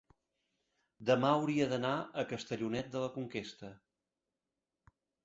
Demà hauria d'anar a Castellonet de la Conquesta.